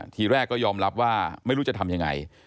ทีแรกก็ยอมรับว่าไม่รู้จะทำยังไง